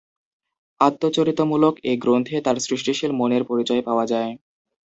আত্মচরিতমূলক এ গ্রন্থে তাঁর সৃষ্টিশীল মনের পরিচয় পাওয়া যায়।